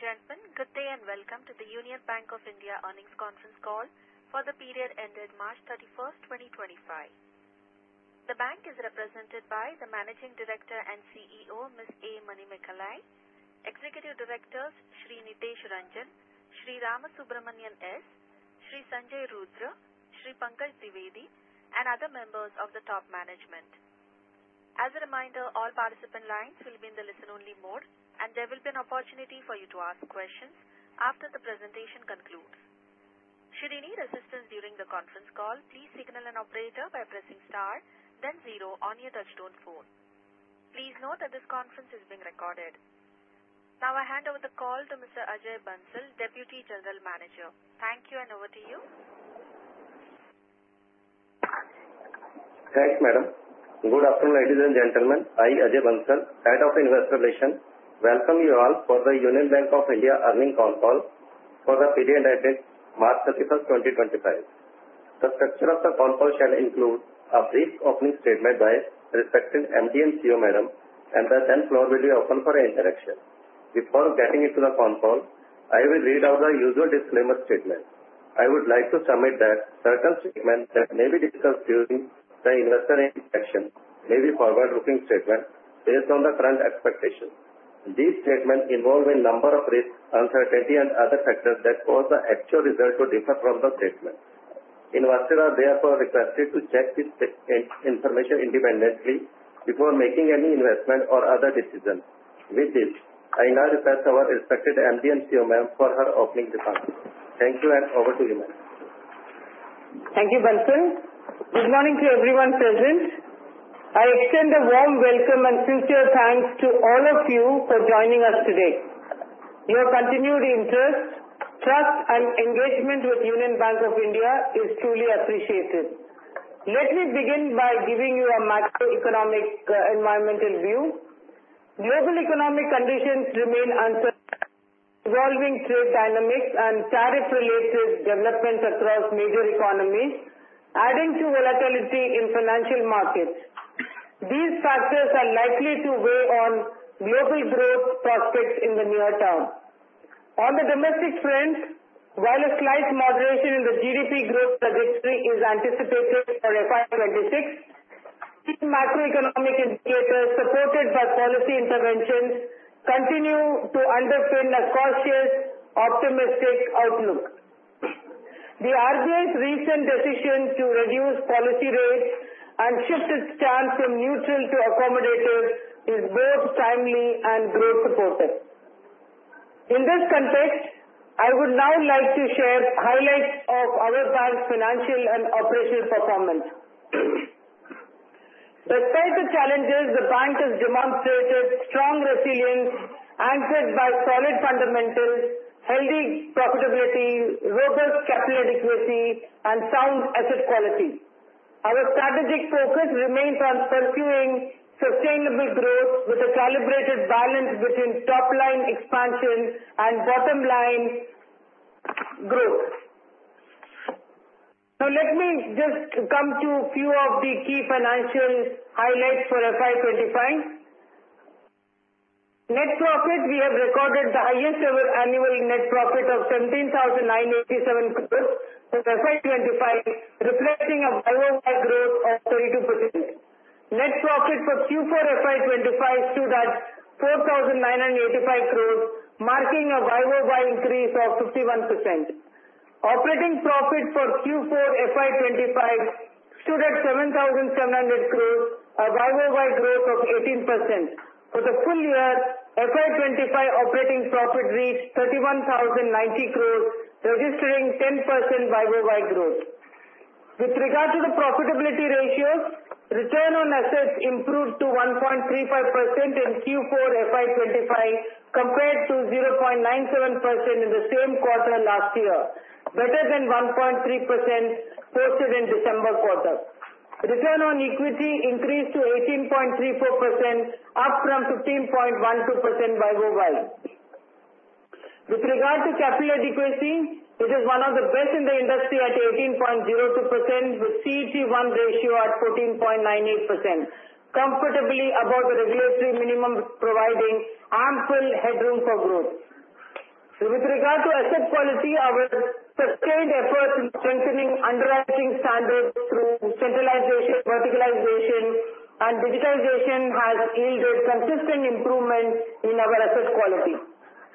Ladies and gentlemen, good day and welcome to the Union Bank of India Earnings Conference Call for the period ended March 31st, 2025. The bank is represented by the Managing Director and CEO, Ms. A. Manimekhalai, Executive Directors, Shri. Nitesh Ranjan, Shri. Ramasubramanian S., Shri. Sanjay Rudra, Shri. Pankaj Dwivedi, and other members of the top management. As a reminder, all participant lines will be in the listen-only mode, and there will be an opportunity for you to ask questions after the presentation concludes. Should you need assistance during the conference call, please signal an operator by pressing star, then zero on your touch-tone phone. Please note that this conference is being recorded. Now I hand over the call to Mr. Ajay Bansal, Deputy General Manager. Thank you, and over to you. Thank you, Madam. Good afternoon, ladies and gentlemen. I am Ajay Bansal, Head of Investor Relations. Welcome you all for the Union Bank of India Earnings Conference Call for the period ended March 31st, 2025. The structure of the conference call shall include a brief opening statement by respected MD and CEO, Madam, and then the floor will be open for interaction. Before getting into the conference call, I will read out the usual disclaimer statement. I would like to submit that certain statements that may be discussed during the investor interaction may be forward-looking statements based on the current expectations. These statements involve a number of risks, uncertainty, and other factors that cause the actual result to differ from the statements. Investors are therefore requested to check this information independently before making any investment or other decisions. With this, I now request our respected MD and CEO, Ma'am, for her opening remarks. Thank you, and over to you, Ma'am. Thank you, Bansal. Good morning to everyone present. I extend a warm welcome and sincere thanks to all of you for joining us today. Your continued interest, trust, and engagement with Union Bank of India is truly appreciated. Let me begin by giving you a macroeconomic environmental view. Global economic conditions remain uncertain, involving trade dynamics and tariff-related developments across major economies, adding to volatility in financial markets. These factors are likely to weigh on global growth prospects in the near term. On the domestic front, while a slight moderation in the GDP growth trajectory is anticipated for FY 2026, key macroeconomic indicators supported by policy interventions continue to underpin a cautious, optimistic outlook. The RBI's recent decision to reduce policy rates and shift its stance from neutral to accommodative is both timely and growth-supportive. In this context, I would now like to share highlights of our bank's financial and operational performance. Despite the challenges, the bank has demonstrated strong resilience anchored by solid fundamentals, healthy profitability, robust capital adequacy, and sound asset quality. Our strategic focus remains on pursuing sustainable growth with a calibrated balance between top-line expansion and bottom-line growth. Now, let me just come to a few of the key financial highlights for FY 2025. Net profit: we have recorded the highest-ever annual net profit of 17,987 crores for FY 2025, reflecting a YoY growth of 32%. Net profit for Q4 FY 2025 stood at 4,985 crores, marking a YoY increase of 51%. Operating profit for Q4 FY 2025 stood at 7,700 crores, a YoY growth of 18%. For the full year, FY 2025 operating profit reached 31,090 crores, registering 10% YoY growth. With regard to the profitability ratios, return on assets improved to 1.35% in Q4 FY 25 compared to 0.97% in the same quarter last year, better than 1.3% posted in December quarter. Return on equity increased to 18.34%, up from 15.12% YoY. With regard to capital adequacy, it is one of the best in the industry at 18.02%, with CET1 ratio at 14.98%, comfortably above the regulatory minimum, providing ample headroom for growth. With regard to asset quality, our sustained efforts in strengthening underwriting standards through centralization, verticalization, and digitization have yielded consistent improvement in our asset quality.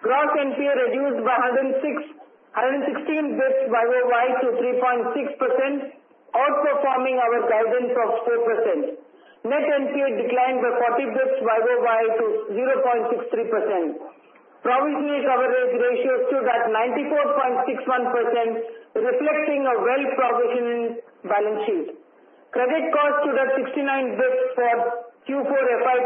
Gross NPA reduced by 116 bps YoY to 3.6%, outperforming our guidance of 4%. Net NPA declined by 40 bps YoY to 0.63%. Provision coverage ratio stood at 94.61%, reflecting a well-provisioned balance sheet. Credit cost stood at 69 bps for Q4 FY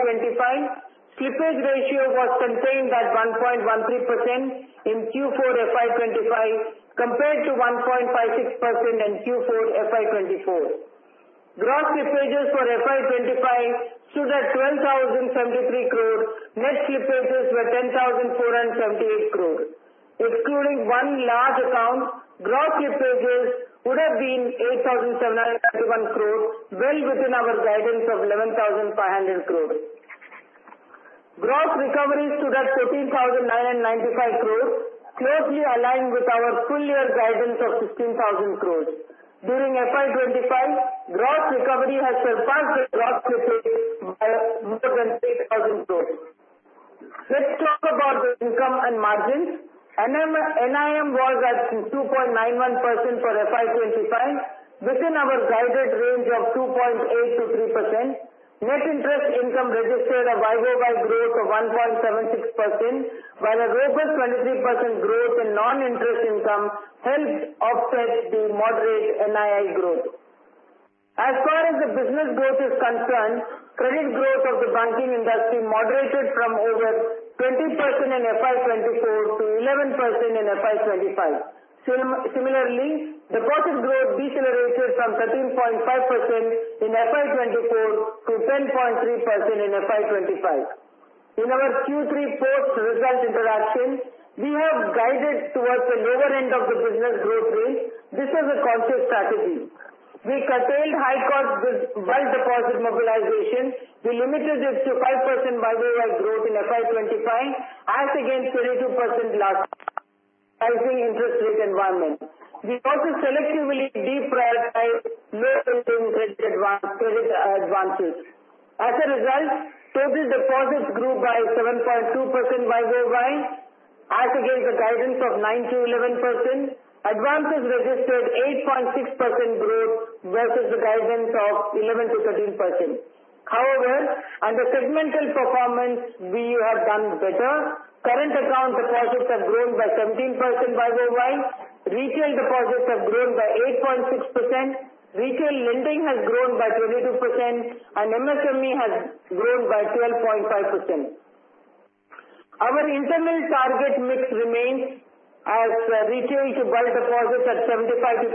2025. Slippage ratio was contained at 1.13% in Q4 FY 2025, compared to 1.56% in Q4 FY 2024. Gross slippages for FY 2025 stood at 12,073 crores. Net slippages were 10,478 crores. Excluding one large account, gross slippages would have been 8,731 crores, well within our guidance of 11,500 crores. Gross recovery stood at 14,995 crores, closely aligned with our full-year guidance of 16,000 crores. During FY 2025, gross recovery has surpassed the gross slippage by more than INR 8,000 crores. Let's talk about the income and margins. NIM was at 2.91% for FY 2025, within our guided range of 2.8%-3%. Net interest income registered a YoY growth of 1.76%, while a robust 23% growth in non-interest income helped offset the moderate NII growth. As far as the business growth is concerned, credit growth of the banking industry moderated from over 20% in FY 2024 to 11% in FY 2025. Similarly, deposit growth decelerated from 13.5% in FY 2024 to 10.3% in FY 2025. In our Q3 post-result interaction, we have guided towards the lower end of the business growth range. This was a conscious strategy. We curtailed high-cost wholesale deposit mobilization. We limited it to 5% YoY growth in FY 2025, as against 32% last year's rising interest rate environment. We also selectively deprioritized low-yielding credit advances. As a result, total deposits grew by 7.2% YoY, as against the guidance of 9%-11%. Advances registered 8.6% growth versus the guidance of 11%-13%. However, under segmental performance, we have done better. Current account deposits have grown by 17% YoY. Retail deposits have grown by 8.6%. Retail lending has grown by 22%, and MSME has grown by 12.5%. Our internal target mix remains as retail to wholesale deposits at 75% to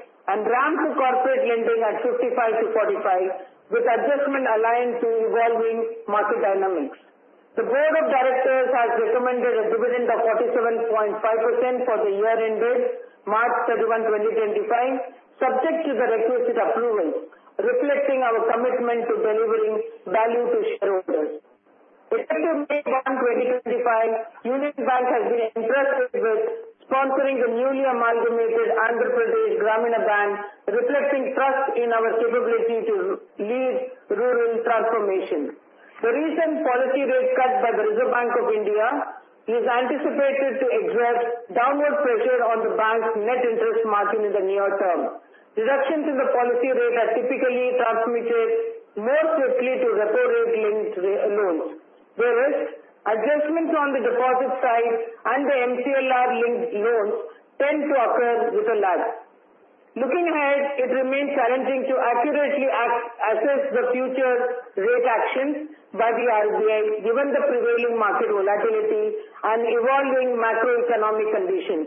25%, and RAM to corporate lending at 55% to 45%, with adjustment aligned to evolving market dynamics. The Board of Directors has recommended a dividend of 47.5% for the year-end date, March 31, 2025, subject to the requisite approvals, reflecting our commitment to delivering value to shareholders. As of May 1, 2025, Union Bank has been entrusted with sponsoring the newly amalgamated Andhra Pradesh Grameena Bank, reflecting trust in our capability to lead rural transformation. The recent policy rate cut by the Reserve Bank of India is anticipated to exert downward pressure on the bank's net interest margin in the near term. Reductions in the policy rate are typically transmitted more swiftly to repo-linked loans. Whereas, adjustments on the deposit side and the MCLR-linked loans tend to occur with a lag. Looking ahead, it remains challenging to accurately assess the future rate actions by the RBI, given the prevailing market volatility and evolving macroeconomic conditions.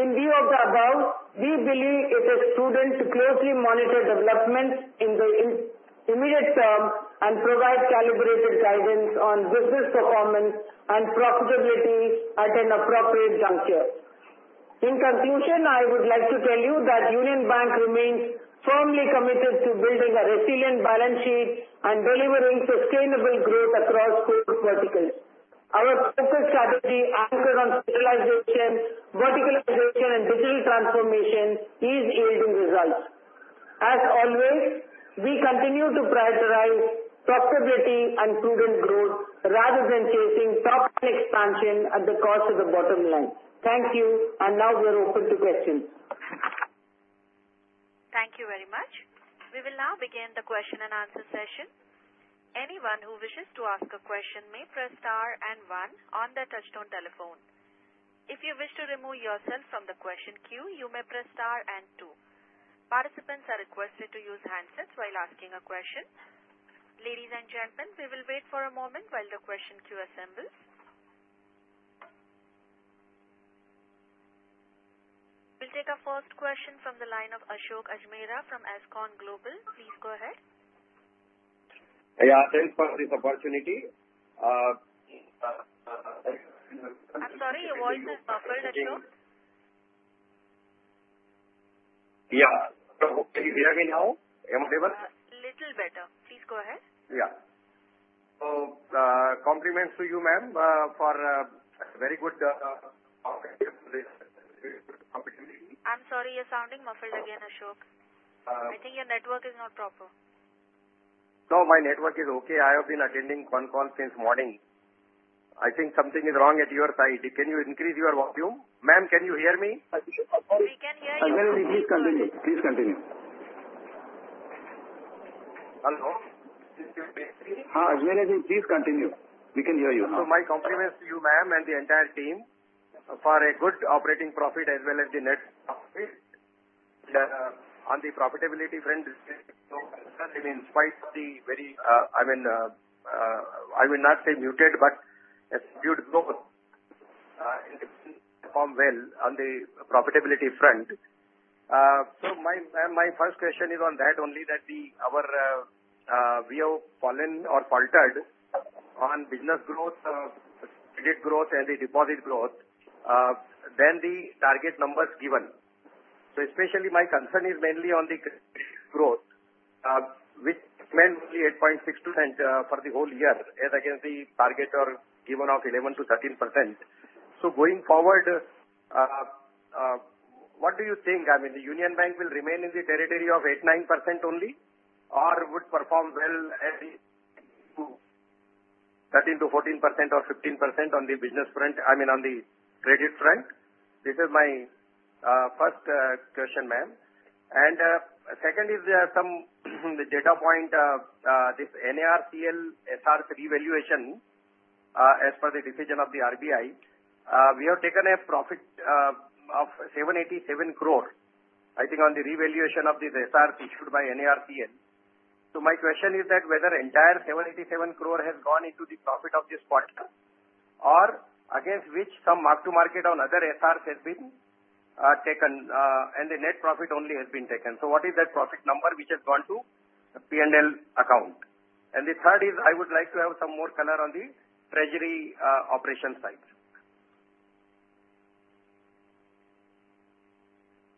In view of the above, we believe it is prudent to closely monitor developments in the immediate term and provide calibrated guidance on business performance and profitability at an appropriate juncture. In conclusion, I would like to tell you that Union Bank remains firmly committed to building a resilient balance sheet and delivering sustainable growth across both verticals. Our focus strategy, anchored on centralization, verticalization, and digital transformation, is yielding results. As always, we continue to prioritize profitability and prudent growth rather than chasing top-line expansion at the cost of the bottom line. Thank you, and now we are open to questions. Thank you very much. We will now begin the question and answer session. Anyone who wishes to ask a question may press star and one on the touch-tone telephone. If you wish to remove yourself from the question queue, you may press star and two. Participants are requested to use handsets while asking a question. Ladies and gentlemen, we will wait for a moment while the question queue assembles. We'll take our first question from the line of Ashok Ajmera from Ajcon Global. Please go ahead. Yeah, thanks for this opportunity. I'm sorry, your voice is muffled, Ashok. Yeah. Can you hear me now? Am I audible? A little better. Please go ahead. Yeah. So compliments to you, ma'am, for a very good opportunity. I'm sorry, you're sounding muffled again, Ashok. I think your network is not proper. No, my network is okay. I have been attending phone calls since morning. I think something is wrong at your side. Can you increase your volume? Ma'am, can you hear me? We can hear you. As well as you, please continue. Please continue. Hello. As well as you, please continue. We can hear you. My compliments to you, ma'am, and the entire team for a good operating profit as well as the net profit on the profitability front. In spite of the very, I mean, I will not say muted, but it's good growth. It performed well on the profitability front. My first question is on that only, that we have fallen or faltered on business growth, credit growth, and the deposit growth than the target numbers given. Especially my concern is mainly on the credit growth, which went only 8.62% for the whole year as against the target or given of 11%-13%. Going forward, what do you think? I mean, the Union Bank will remain in the territory of 8%-9% only, or would perform well at 13%-14% or 15% on the business front, I mean, on the credit front? This is my first question, ma'am. And second is some data point, this NARCL SRs valuation as per the decision of the RBI. We have taken a profit of 787 crore, I think, on the revaluation of this SR issued by NARCL. So my question is that whether the entire 787 crore has gone into the profit of this quarter, or against which some mark-to-market on other SRs has been taken, and the net profit only has been taken. So what is that profit number which has gone to P&L account? And the third is I would like to have some more color on the treasury operation side.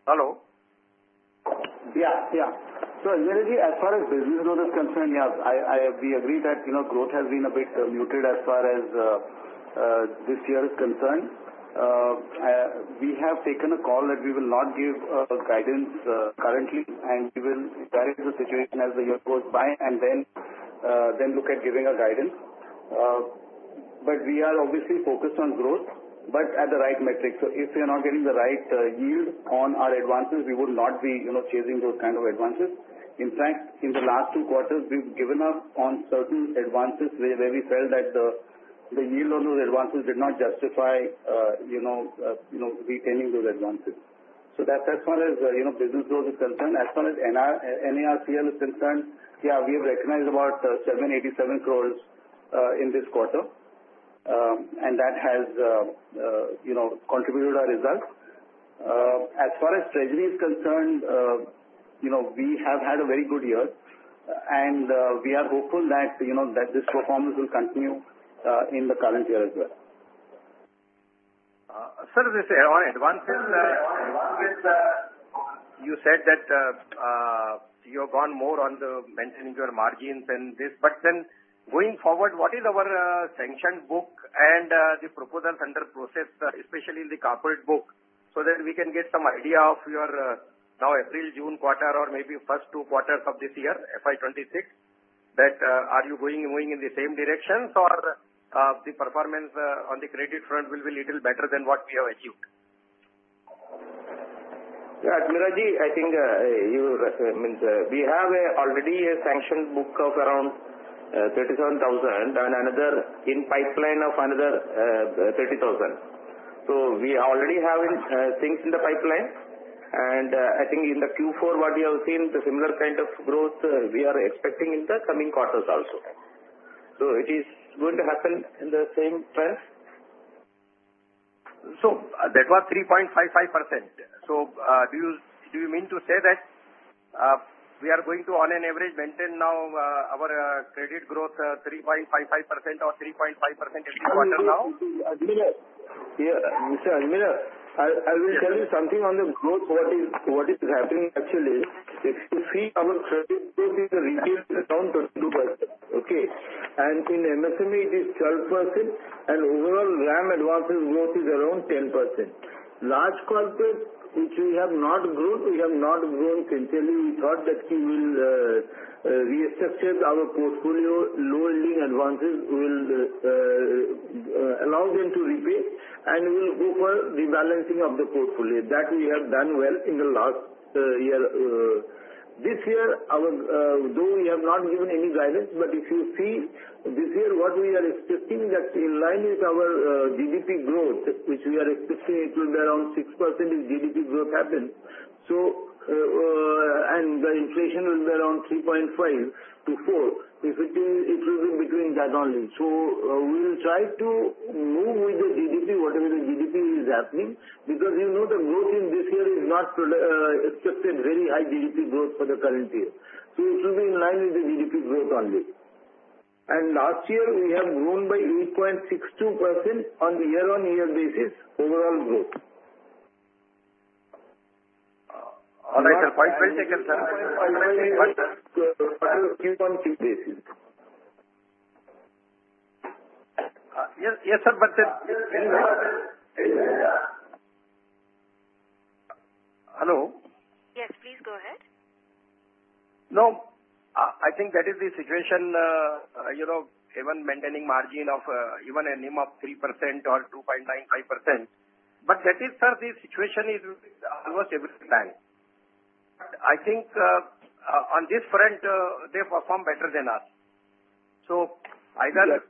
Hello. Yeah, yeah. So as far as business growth is concerned, yes, we agree that growth has been a bit muted as far as this year is concerned. We have taken a call that we will not give guidance currently, and we will evaluate the situation as the year goes by and then look at giving a guidance. But we are obviously focused on growth, but at the right metric. So if we are not getting the right yield on our advances, we would not be chasing those kinds of advances. In fact, in the last two quarters, we've given up on certain advances where we felt that the yield on those advances did not justify retaining those advances. So that's as far as business growth is concerned. As far as NARCL is concerned, yeah, we have recognized about 787 crores in this quarter, and that has contributed to our results. As far as treasury is concerned, we have had a very good year, and we are hopeful that this performance will continue in the current year as well. Sir, this is on advances. You said that you have gone more on the maintaining your margins and this, but then going forward, what is our sanction book and the proposals under process, especially in the corporate book, so that we can get some idea of your now April-June quarter, or maybe first two quarters of this year, FY 2026, that are you going in the same direction, or the performance on the credit front will be a little better than what we have achieved? Yeah, Ajmera Ji, I think you mean we have already a sanction book of around 37,000 and another in pipeline of another 30,000. So we already have things in the pipeline, and I think in the Q4, what we have seen, the similar kind of growth we are expecting in the coming quarters also. So it is going to happen in the same trend. So that was 3.55%. So do you mean to say that we are going to, on an average, maintain now our credit growth 3.55% or 3.5% every quarter now? Mr. Ajmera, I will tell you something on the growth. What is happening actually, if you see our credit growth in retail is around 22%, okay? And in MSME, it is 12%, and overall RAM advances growth is around 10%. Large corporate, which we have not grown, we have not grown sincerely. We thought that we will restructure our portfolio. Low-yielding advances will allow them to mature, and we'll go for rebalancing of the portfolio. That we have done well in the last year. This year, though we have not given any guidance, but if you see this year, what we are expecting that in line with our GDP growth, which we are expecting it will be around 6% if GDP growth happens, and the inflation will be around 3.5%-4%, it will be between that only. So we'll try to move with the GDP, whatever the GDP is happening, because you know the growth in this year is not expected very high GDP growth for the current year. So it will be in line with the GDP growth only. And last year, we have grown by 8.62% on the year-on-year basis overall growth. All right, sir. Quite well taken, sir. On a Q1, Q2 basis. Yes, sir, but. Hello. Yes, please go ahead. No, I think that is the situation, even maintaining margin of even a NIM of 3% or 2.95%. But that is, sir, the situation is almost every bank. I think on this front, they perform better than us. So either.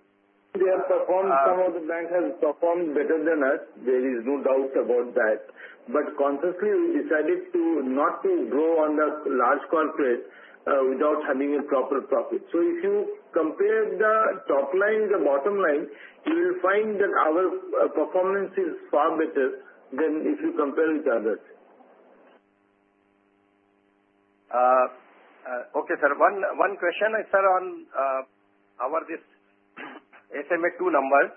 They have performed. Some of the banks have performed better than us. There is no doubt about that. But consciously, we decided not to grow on the large corporate without having a proper profit. So if you compare the top line, the bottom line, you will find that our performance is far better than if you compare with others. Okay, sir. One question, sir, on our SMA-2 numbers.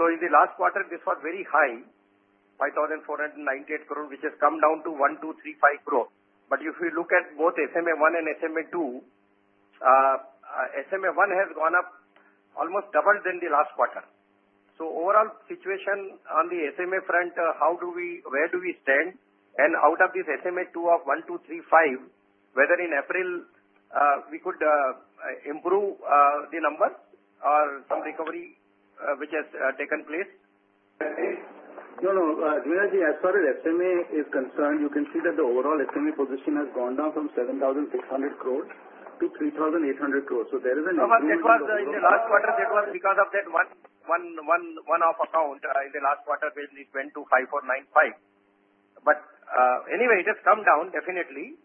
So in the last quarter, this was very high, 5,498 crore, which has come down to 1,235 crore. But if you look at both SMA-1 and SMA-2, SMA-1 has gone up almost double than the last quarter. So overall situation on the SMA front, how do we, where do we stand? And out of this SMA-2 of 1,235 crore, whether in April, we could improve the numbers or some recovery which has taken place? No, no. Ajmera Ji, as far as SMA is concerned, you can see that the overall SMA position has gone down from 7,600 crore to 3,800 crore. So there is an increase. That was in the last quarter. That was because of that one-off account in the last quarter when it went to 5,495. But anyway, it has come down definitely.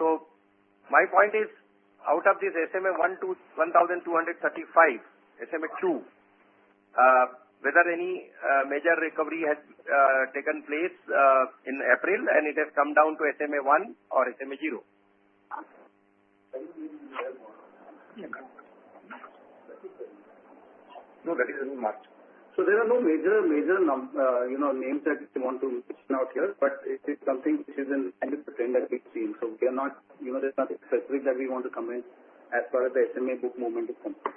So my point is, out of this SMA-1 to 1,235, SMA-2, whether any major recovery has taken place in April, and it has come down to SMA-1 or SMA-0? No, that is in March. So there are no major names that we want to mention out here, but it is something which is in line with the trend that we've seen. So there's nothing specific that we want to comment as far as the SMA book movement is concerned.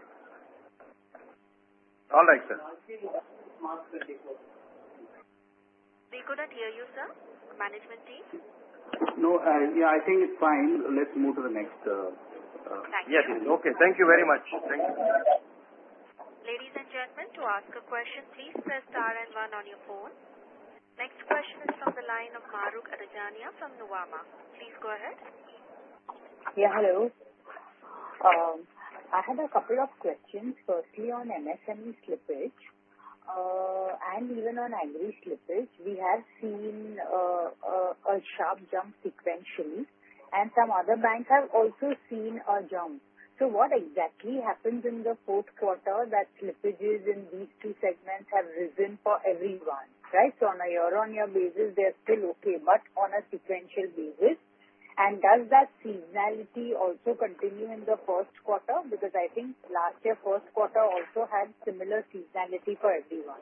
All right, sir. We couldn't hear you, sir, management team. No, yeah, I think it's fine. Let's move to the next. Thank you. Yes, okay. Thank you very much. Thank you. Ladies and gentlemen, to ask a question, please press star and one on your phone. Next question is from the line of Mahrukh Adajania from Nuvama. Please go ahead. Yeah, hello. I had a couple of questions. Firstly, on MSME slippage and even on agri slippage, we have seen a sharp jump sequentially, and some other banks have also seen a jump. So what exactly happens in the fourth quarter that slippages in these two segments have risen for everyone, right? So on a year-on-year basis, they're still okay, but on a sequential basis. And does that seasonality also continue in the first quarter? Because I think last year, first quarter also had similar seasonality for everyone.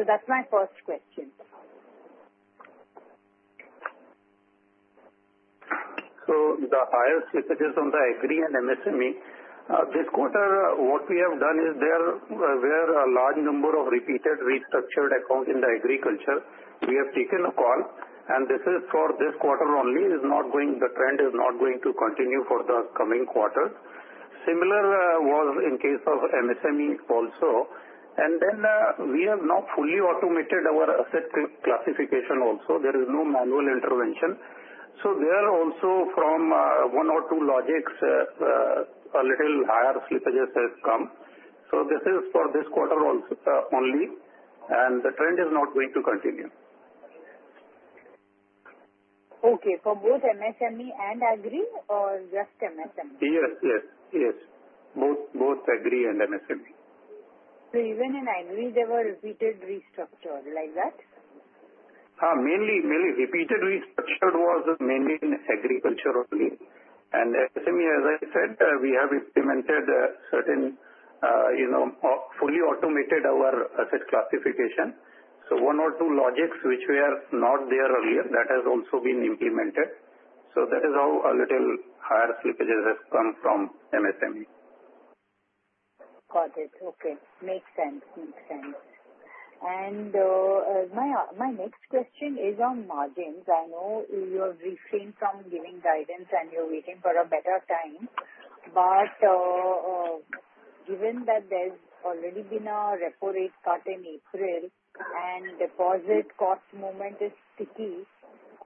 So that's my first question. So the higher slippages on the agri and MSME this quarter, what we have done is there were a large number of repeated restructured accounts in the agriculture. We have taken a call, and this is for this quarter only. It's not going. The trend is not going to continue for the coming quarter. Similar was in case of MSME also. And then we have now fully automated our asset classification also. There is no manual intervention. So there are also from one or two logics, a little higher slippages have come. So this is for this quarter only, and the trend is not going to continue. Okay, for both MSME and agri or just MSME? Yes, yes, yes. Both agri and MSME. So even in agri, there were repeated restructure like that? Mainly repeated restructure was mainly in agriculture only. And MSME, as I said, we have implemented certain fully automated our asset classification. So one or two logics which were not there earlier, that has also been implemented. So that is how a little higher slippages have come from MSME. Got it. Okay. Makes sense. Makes sense. And my next question is on margins. I know you have refrained from giving guidance, and you're waiting for a better time. But given that there's already been a repo rate cut in April and deposit cost movement is sticky,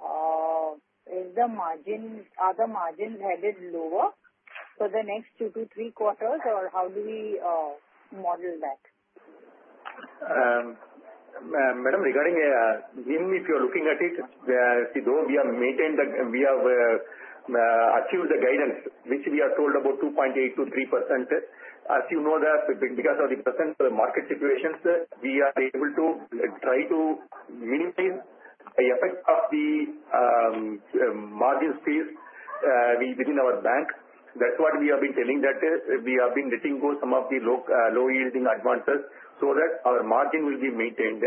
are the margins headed lower for the next two to three quarters, or how do we model that? Madam, regarding even if you are looking at it, though we have achieved the guidance, which we are told about 2.82%-3%, as you know that because of the present market situations, we are able to try to minimize the effect of the margin space within our bank. That's what we have been telling that we have been letting go some of the low-yielding advances so that our margin will be maintained.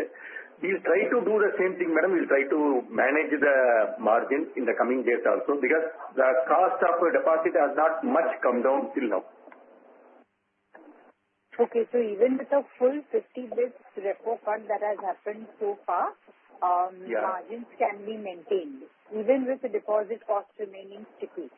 We'll try to do the same thing, Madam. We'll try to manage the margin in the coming days also because the cost of deposit has not much come down till now. Okay. So even with a full 50 bps repo cut that has happened so far, margins can be maintained even with the deposit cost remaining sticky?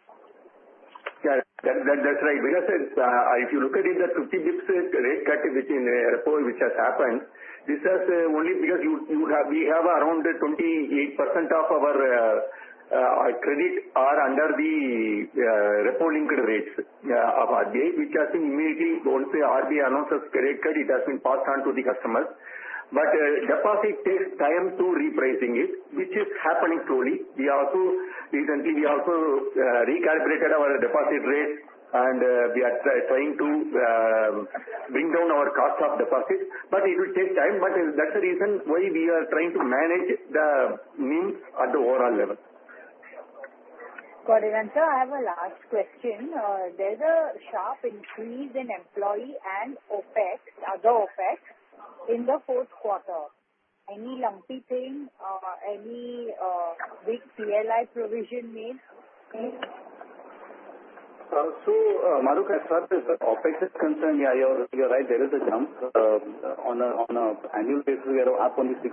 Yeah, that's right. Because if you look at it, that 50 bps rate cut in repo which has happened, this has only because we have around 28% of our credit are under the repo-linked rates of RBI, which has been immediately once the RBI announces rate cut, it has been passed on to the customers. But deposit takes time to repricing it, which is happening slowly. Recently, we also recalibrated our deposit rate, and we are trying to bring down our cost of deposit. But it will take time. But that's the reason why we are trying to manage the margins at the overall level. Got it. And sir, I have a last question. There's a sharp increase in employee and other OpEx in the fourth quarter. Any lumpy thing? Any big PLI provision made? Mahrukh, as far as OpEx is concerned, yeah, you're right. There is a jump. On an annual basis, we are up only 6%.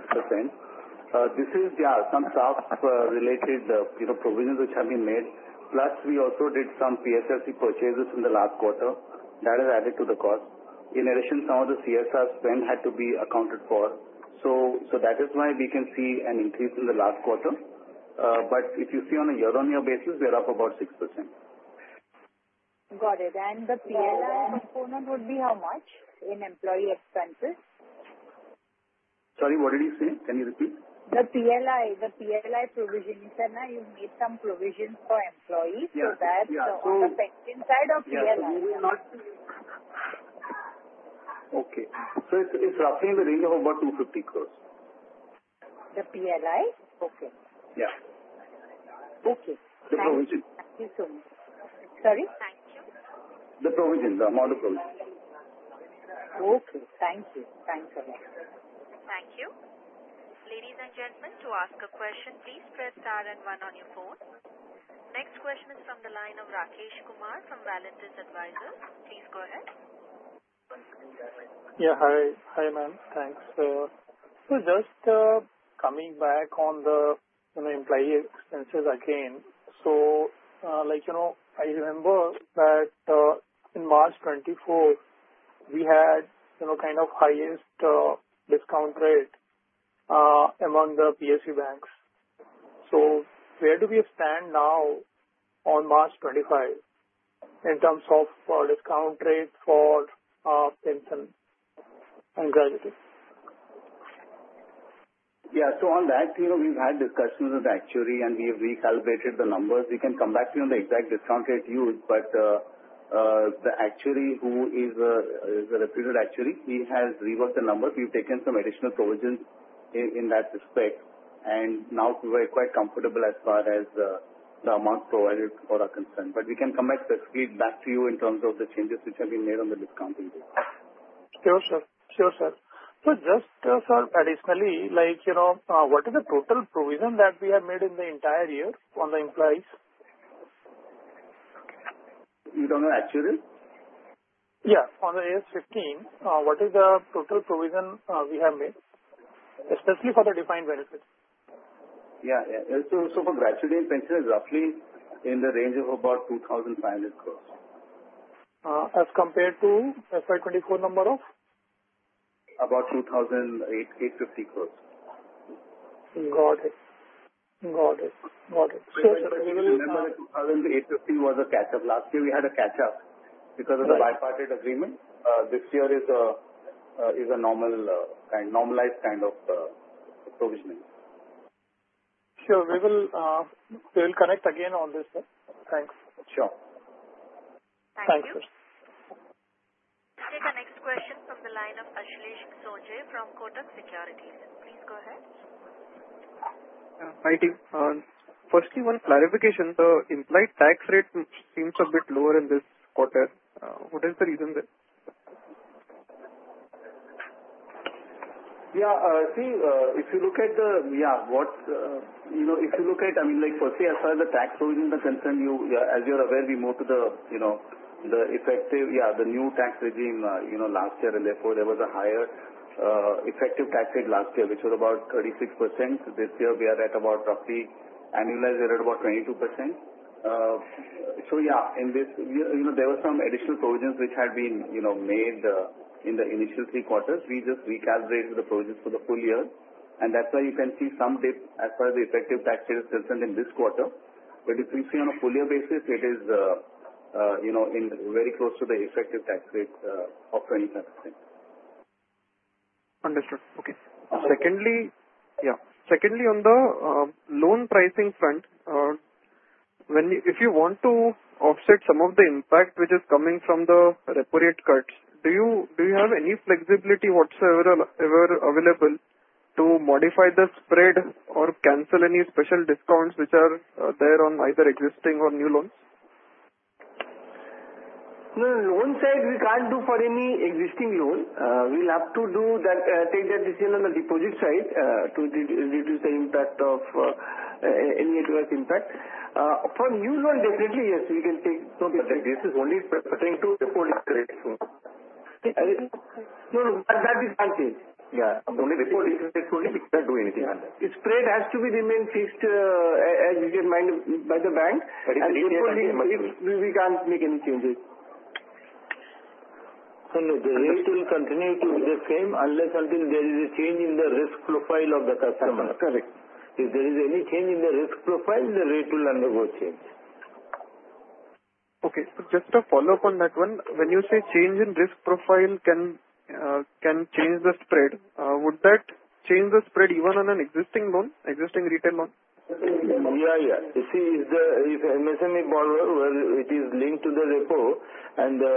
This is, yeah, some staff-related provisions which have been made. Plus, we also did some PSLC purchases in the last quarter. That has added to the cost. In addition, some of the CSR spend had to be accounted for. So that is why we can see an increase in the last quarter. If you see on a year-on-year basis, we are up about 6%. Got it. And the PLI component would be how much in employee expenses? Sorry, what did you say? Can you repeat? The PLI provision, you said now you've made some provisions for employees. So that's affecting inside of PLI. Okay. So it's roughly in the range of about INR 250 crore. The PLI? Okay. Yeah. Okay. The provision. Thank you so much. Sorry? Thank you. The provision, the amount of provision. Okay. Thank you. Thanks a lot. Thank you. Ladies and gentlemen, to ask a question, please press star and one on your phone. Next question is from the line of Rakesh Kumar from Valentis Advisors. Please go ahead. Yeah, hi ma'am. Thanks. So just coming back on the employee expenses again. So I remember that in March 2024, we had kind of highest discount rate among the PSU banks. So where do we stand now on March 2025 in terms of discount rate for pension and gratuities? Yeah. So on that, we've had discussions with actuary, and we have recalibrated the numbers. We can come back to the exact discount rate used, but the actuary, who is a reputed actuary, he has reworked the numbers. We've taken some additional provisions in that respect, and now we're quite comfortable as far as the amounts provided for our concern. But we can come back specifically back to you in terms of the changes which have been made on the discounting rate. Sure, sir. Sure, sir. So just additionally, what is the total provision that we have made in the entire year on the employees? You don't know actuary? Yeah. On the AS 15, what is the total provision we have made, especially for the defined benefits? Yeah. So for gratuity pensioners, roughly in the range of about 2,500 crores. As compared to FY 2024 number of? About 2,850 crores. Got it. So remember that 2,850 was a catch-up. Last year, we had a catch-up because of the bipartite agreement. This year is a normalized kind of provision. Sure. We will connect again on this. Thanks. Sure. Thank you. Thank you. We'll take a next question from the line of Ashlesh Sonje from Kotak Securities. Please go ahead. Hi, team. Firstly, one clarification. The effective tax rate seems a bit lower in this quarter. What is the reason there? See, if you look at, I mean, firstly, as far as the tax provision is concerned, as you're aware, we moved to the effective, the new tax regime last year. And therefore, there was a higher effective tax rate last year, which was about 36%. This year, we are at about roughly annualized rate of about 22%. So, in this, there were some additional provisions which had been made in the initial three quarters. We just recalibrated the provisions for the full year. And that's why you can see some dip as far as the effective tax rate is concerned in this quarter. But if we see on a full year basis, it is very close to the effective tax rate of 25%. Understood. Okay. Secondly, on the loan pricing front, if you want to offset some of the impact which is coming from the repo rate cuts, do you have any flexibility whatsoever available to modify the spread or cancel any special discounts which are there on either existing or new loans? Loan side, we can't do for any existing loan. We'll have to take that decision on the deposit side to reduce the impact of any adverse impact. For new loan, definitely, yes, we can take. This is only referring to repo rate. No, no. That we can't change. Yeah. Only repo rate rates. We can't do anything on that. Spread has to remain fixed as required by the bank. But if we can't make any changes. The rate will continue to be the same unless there is a change in the risk profile of the customer. Correct. If there is any change in the risk profile, the rate will undergo change. Okay. Just to follow up on that one, when you say change in risk profile can change the spread, would that change the spread even on an existing loan, existing retail loan? Yeah, yeah. You see, if MSME borrower, it is linked to the repo, and the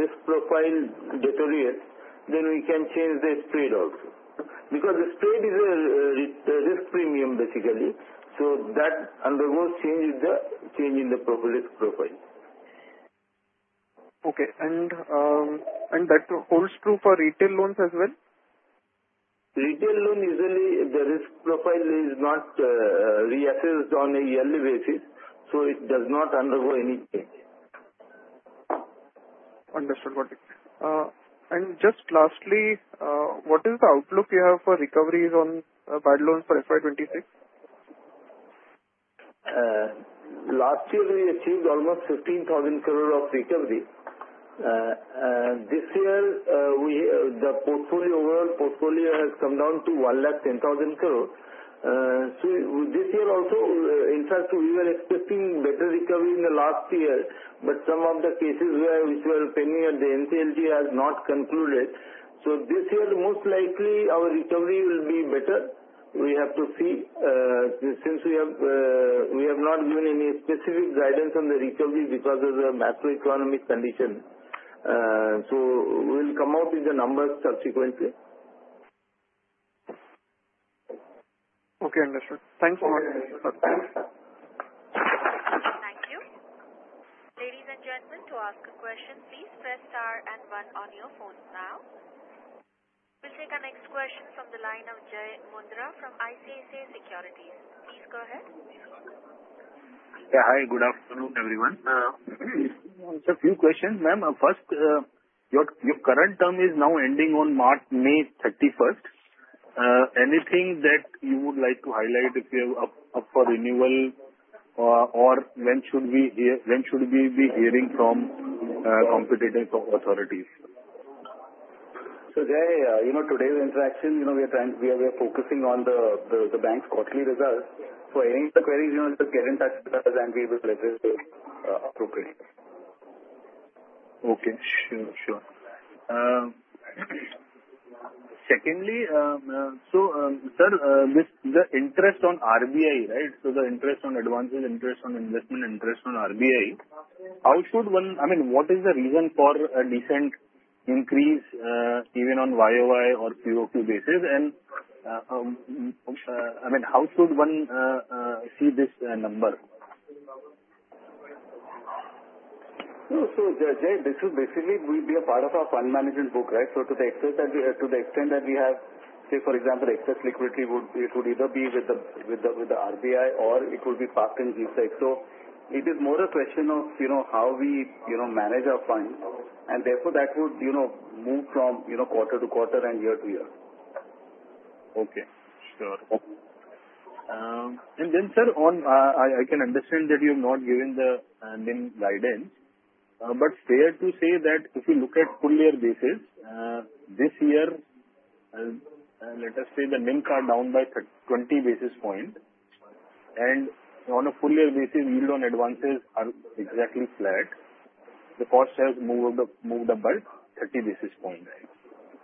risk profile deteriorates, then we can change the spread also. Because the spread is a risk premium, basically. So that undergoes change in the risk profile. Okay. And that holds true for retail loans as well? Retail loan, usually, the risk profile is not reassessed on a yearly basis, so it does not undergo any change. Understood. Got it. And just lastly, what is the outlook you have for recoveries on bad loans for FY 2026? Last year, we achieved almost 15,000 crore of recovery. This year, the portfolio, overall portfolio, has come down to 110,000 crore, so this year also, in fact, we were expecting better recovery in the last year, but some of the cases which were pending at the NCLT have not concluded, so this year, most likely, our recovery will be better. We have to see since we have not given any specific guidance on the recovery because of the macroeconomic condition, so we'll come out with the numbers subsequently. Okay. Understood. Thanks so much. Thank you. Ladies and gentlemen, to ask a question, please press star and one on your phones now. We'll take a next question from the line of Jay Mundra from ICICI Securities. Please go ahead. Yeah. Hi. Good afternoon, everyone. Just a few questions, ma'am. First, your current term is now ending on May 31st. Anything that you would like to highlight if it's up for renewal, or when should we be hearing from competent authorities? So today's interaction, we are focusing on the bank's quarterly results. So any of the queries, just get in touch with us, and we will address them appropriately. Okay. Sure. Sure. Secondly, so sir, the interest on RBI, right? So the interest on advances, interest on investment, interest on RBI, how should one, I mean, what is the reason for a decent increase even on YoY or QoQ basis? And I mean, how should one see this number? So Jay, this will basically be a part of our fund management book, right? So to the extent that we have, say, for example, excess liquidity, it would either be with the RBI, or it would be parked in G-Sec. So it is more a question of how we manage our funds. And therefore, that would move from quarter to quarter and year to year. Okay. Sure. And then, sir, I can understand that you have not given the NIM guidance, but fair to say that if we look at full year basis, this year, let us say the NIM cut down by 20 basis points. And on a full year basis, yield on advances are exactly flat. The cost has moved about 30 basis points,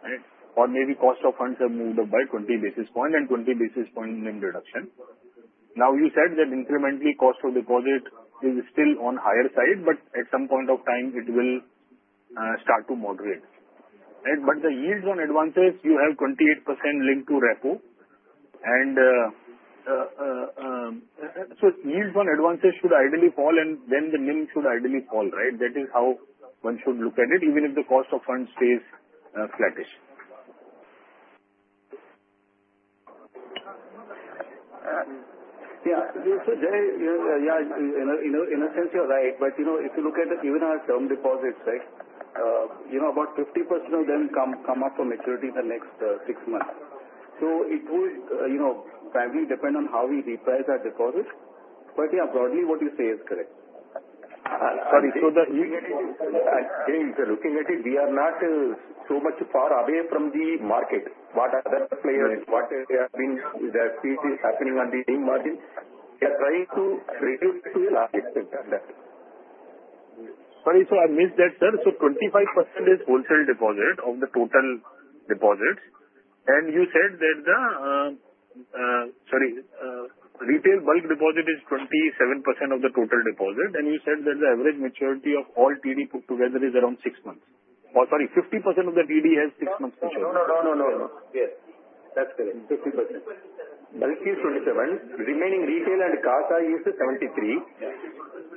right? Or maybe cost of funds have moved about 20 basis points and 20 basis points NIM reduction. Now, you said that incrementally, cost of deposit is still on the higher side, but at some point of time, it will start to moderate. But the yields on advances, you have 28% linked to repo. And so yields on advances should ideally fall, and then the NIM should ideally fall, right? That is how one should look at it, even if the cost of funds stays flattish. Yeah. So Jay, yeah, in a sense, you're right. But if you look at even our term deposits, right, about 50% of them come up for maturity in the next six months. So it would primarily depend on how we reprice our deposits. But yeah, broadly, what you say is correct. Sorry. So looking at it, we are not so much far away from the market. What other players have been, the spread is happening on the NIM margin. They are trying to reduce to a large extent on that. So I missed that, sir. So 25% is wholesale deposit of the total deposits. And you said that the, sorry, retail bulk deposit is 27% of the total deposit. And you said that the average maturity of all TD put together is around six months. Or sorry, 50% of the TD has six months maturity. No, no, no, no, no, no. Yes. That's correct. 50%. Bulk is 27%. Remaining retail and CASA is 73%.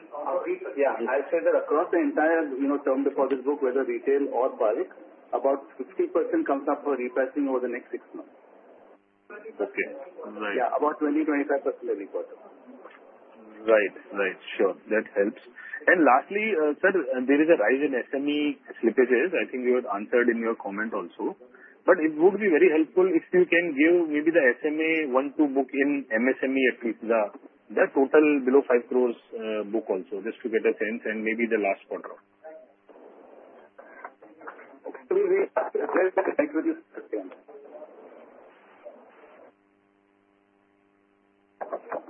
Yeah. I'll say that across the entire term deposit book, whether retail or bulk, about 50% comes up for repricing over the next six months. Okay. Right. Yeah. About 20%-25% every quarter. Right. Right. Sure. That helps, and lastly, sir, there is a rise in SME slippages. I think you had answered in your comment also, but it would be very helpful if you can give maybe the SMA-1, SMA-2 book in MSME, at least the total below five crores book also, just to get a sense and maybe the last quarter. Okay. I'm sorry, sir. That was not audible. Can you please repeat?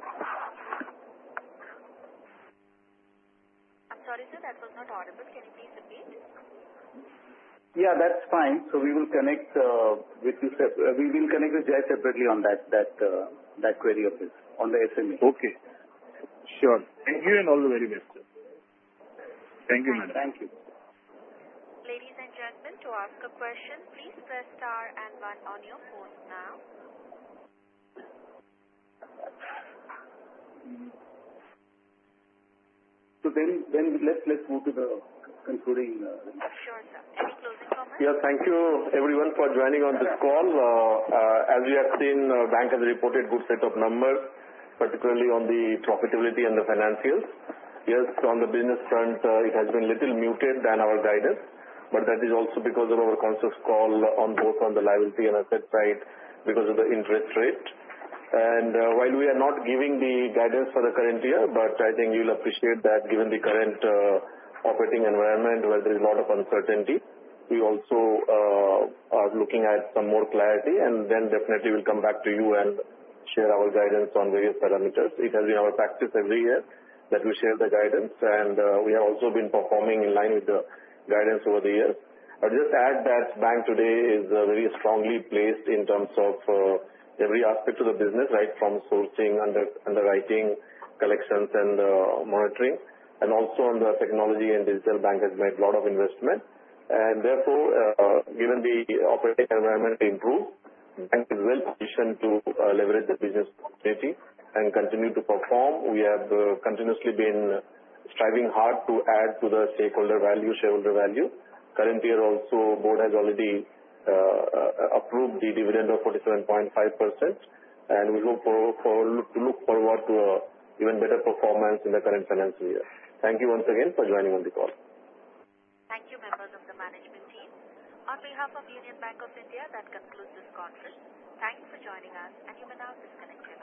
Yeah, that's fine. So we will connect with you. We will connect with Jay separately on that query of his on the SME. Okay. Sure. Thank you and all the very best, sir. Thank you, ma'am. Thank you. Ladies and gentlemen, to ask a question, please press star and one on your phones now. So then let's move to the concluding. Sure, sir. Any closing comments? Yeah. Thank you, everyone, for joining on this call. As you have seen, the bank has reported good set of numbers, particularly on the profitability and the financials. Yes, on the business front, it has been a little muted than our guidance. But that is also because of our conscious call on both the liability and asset side because of the interest rate. And while we are not giving the guidance for the current year, but I think you'll appreciate that given the current operating environment where there is a lot of uncertainty. We also are looking at some more clarity. And then definitely, we'll come back to you and share our guidance on various parameters. It has been our practice every year that we share the guidance. And we have also been performing in line with the guidance over the years. I'll just add that Bank today is very strongly placed in terms of every aspect of the business, right, from sourcing, underwriting, collections, and monitoring. And also on the technology and digital, Bank has made a lot of investment. And therefore, given the operating environment improved, Bank is well positioned to leverage the business opportunity and continue to perform. We have continuously been striving hard to add to the shareholder value. Current year, also, Board has already approved the dividend of 47.5%. And we look forward to even better performance in the current financial year. Thank you once again for joining on the call. Thank you, members of the management team. On behalf of Union Bank of India, that concludes this conference. Thanks for joining us, and you may now disconnect your line.